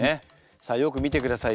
さあよく見てください。